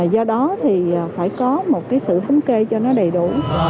do đó thì phải có một cái sự thống kê cho nó đầy đủ